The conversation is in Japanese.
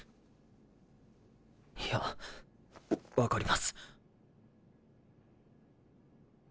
いや分かります。